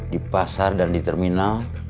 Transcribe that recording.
di pasar dan di terminal